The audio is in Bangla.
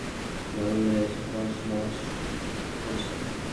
আমার স্টুডিওতে গতকাল একটা গাছ উড়ে এসে তছনছ করেছে!